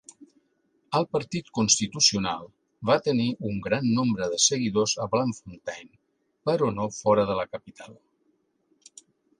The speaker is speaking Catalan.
El partit constitucional va tenir un gran nombre de seguidors a Bloemfontein, però no fora de la capital.